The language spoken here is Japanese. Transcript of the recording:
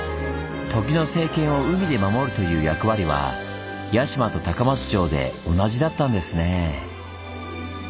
時の政権を海で守るという役割は屋島と高松城で同じだったんですねぇ。